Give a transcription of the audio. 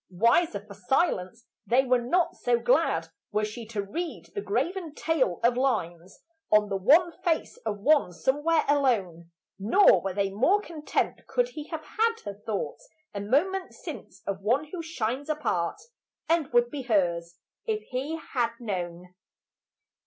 Wiser for silence, they were not so glad Were she to read the graven tale of lines On the wan face of one somewhere alone; Nor were they more content could he have had Her thoughts a moment since of one who shines Apart, and would be hers if he had known.